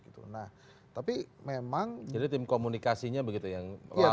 jadi tim komunikasinya yang lawan ini belum ada